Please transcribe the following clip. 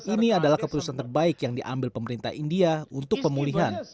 ini adalah keputusan terbaik yang diambil pemerintah india untuk pemulihan